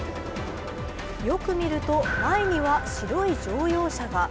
よく見ると、前には白い乗用車が。